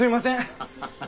ハハハ。